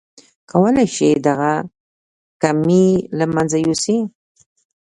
کولای شئ دغه کمی له منځه يوسئ.